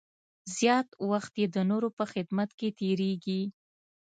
زیات وخت یې د نورو په خدمت کې تېرېږي.